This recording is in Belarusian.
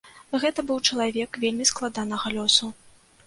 Гэта быў чалавек вельмі складанага лёсу.